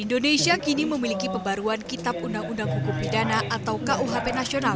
indonesia kini memiliki pembaruan kitab undang undang hukum pidana atau kuhp nasional